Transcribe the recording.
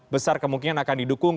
besar kemungkinan akan didukung